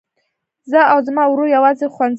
زه او زما ورور يوځای ښوونځي ته ځو.